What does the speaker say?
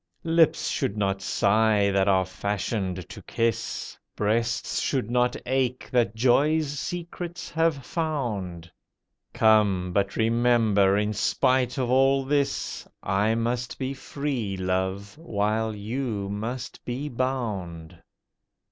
Lips should not sigh that are fashioned to kiss— Breasts should not ache that joy's secrets have found. Come! but remember, in spite of all this, I must be free, Love, while you must be bound.